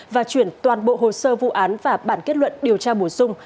và chuyển toàn bộ hồ sơ vụ án và bản kết luận điều tra bổ sung